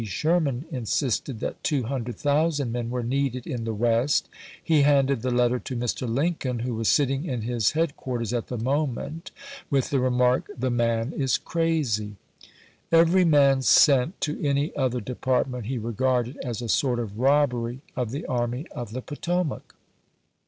Sherman insisted that two hundred chap. ix. thousand men were needed in the West, he handed the letter to Mr. Lincoln, who was sitting in his head quarters at the moment, with the remark, " The w. r. •„ n J ^ 1.1 1 Vol. VII., man is crazy." liivery man sent to any other de p. ui. partment he regarded as a sort of robbery of the Army of the Potomac.